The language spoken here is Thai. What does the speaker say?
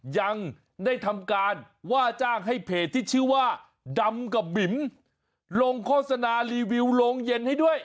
ยังได้ทำการว่าจ้างให้เพจที่ชื่อว่าดำกับบิ๋มลงโฆษณารีวิวโรงเย็นให้ด้วย